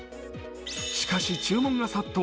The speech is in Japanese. しかし注文が殺到。